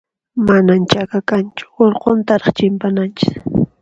Manan chaka kanchu, urquntaraq chimpananchis.